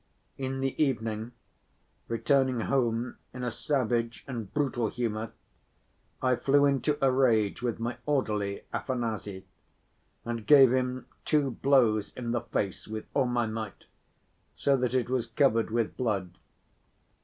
In the evening, returning home in a savage and brutal humor, I flew into a rage with my orderly Afanasy, and gave him two blows in the face with all my might, so that it was covered with blood.